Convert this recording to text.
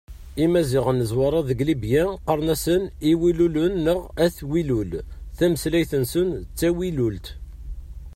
Imaziɣen n Zwaṛa deg Libya qqaren-asen Iwilulen neɣ At Wilul, tameslayt-nsen d tawilult.